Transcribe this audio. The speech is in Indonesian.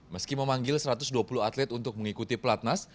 meski memanggil satu ratus dua puluh atlet untuk mengikuti pelatnas